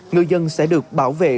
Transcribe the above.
người dân sẽ được bảo vệ